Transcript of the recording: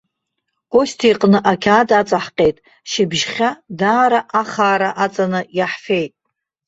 Костиа иҟны ақьаад аҵаҳҟьеит, шьыбжьхьа даара ахаара аҵаны иаҳфеит.